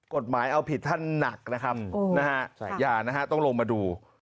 กฎหมายเอาผิดท่านหนักนะครับนะฮะอย่านะฮะต้องลงมาดู